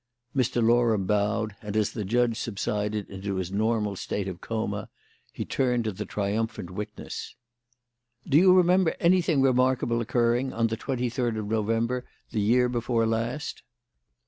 Mr. Loram bowed, and as the judge subsided into his normal state of coma he turned to the triumphant witness. "Do you remember anything remarkable occurring on the twenty third of November the year before last?"